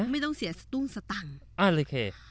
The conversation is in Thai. ไม่ต้องเสียตุ้งสตั่งอ่าค่ะ